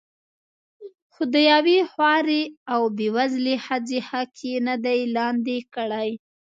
خو د یوې خوارې او بې وزلې ښځې حق یې نه دی لاندې کړی.